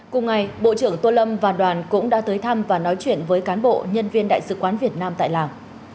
cùng ngày bộ trưởng tô lâm và đoàn cũng đã tới thăm và nói chuyện với cán bộ nhân viên đại sứ quán việt nam tại lào